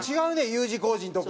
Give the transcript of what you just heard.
Ｕ字工事のとこ。